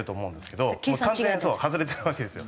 完全に外れてるわけですよ。